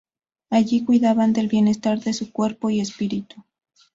Allí cuidaban del bienestar de su cuerpo y espíritu.